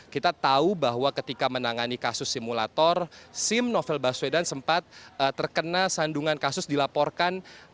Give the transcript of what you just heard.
kita tahu bahwa ketika menangani kasus simulator sim novel baswedan sempat terkena sandungan kasus dilaporkan